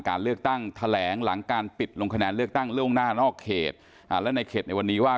การเลือกตั้งแถลงหลังการปิดลงคะแนนเลือกตั้งล่วงหน้านอกเขตและในเขตในวันนี้ว่า